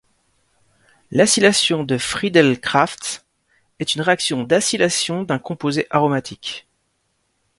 L'acylation de Friedel-Crafts est une réaction d'acylation d'un composé aromatique.